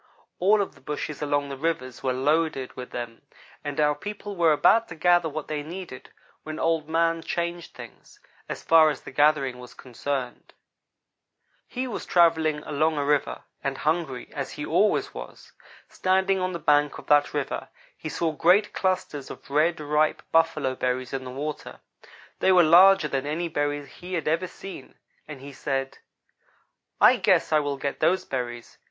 All of the bushes along the rivers were loaded with them, and our people were about to gather what they needed, when Old man changed things, as far as the gathering was concerned. "He was travelling along a river, and hungry, as he always was. Standing on the bank of that river, he saw great clusters of red, ripe buffalo berries in the water. They were larger than any berries he had ever seen, and he said: "'I guess I will get those berries.